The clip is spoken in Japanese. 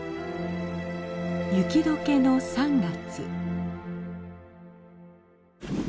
雪どけの３月。